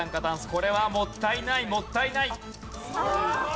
これはもったいないもったいない。